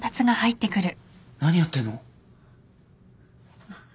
何やってんの？